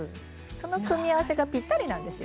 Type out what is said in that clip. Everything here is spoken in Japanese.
その組み合わせがぴったりなんですよ。